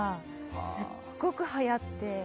すっごくはやって。